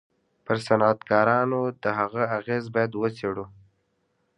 پر صنعتکارانو د هغه اغېز بايد و څېړو.